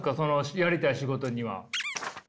やりたい仕事には。